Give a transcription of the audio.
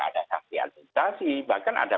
ada kasihan tentasi bahkan ada